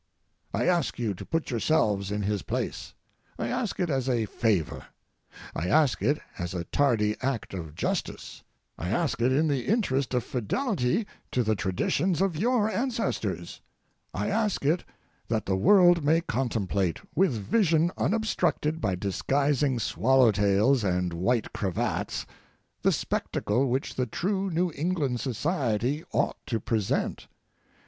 I ask you to put yourselves in his place. I ask it as a favor; I ask it as a tardy act of justice; I ask it in the interest of fidelity to the traditions of your ancestors; I ask it that the world may contemplate, with vision unobstructed by disguising swallow tails and white cravats, the spectacle which the true New England Society ought to present.